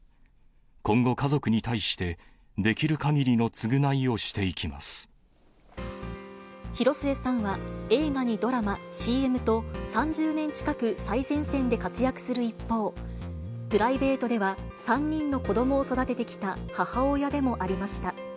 今後、家族に対して、できるかぎ広末さんは、映画にドラマ、ＣＭと、３０年近く最前線で活躍する一方、プライベートでは３人の子どもを育ててきた母親でもありました。